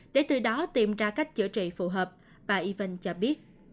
để từ đó tìm ra cách chữa trị phù hợp bà yvn cho biết